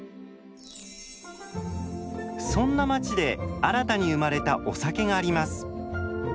そんな町で新たに生まれたお酒があります。